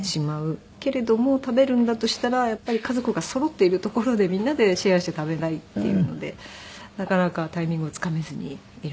けれども食べるんだとしたらやっぱり家族がそろっている所でみんなでシェアして食べたいっていうのでなかなかタイミングを掴めずにいるんですが。